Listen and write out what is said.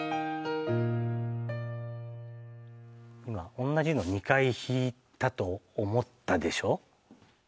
今同じの２回弾いたと思ったでしょ？